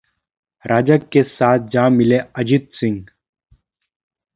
राजग के साथ जा मिले अजीत सिंह